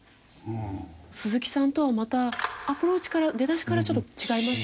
鈴木さんとはまたアプローチから出だしからちょっと違いましたね。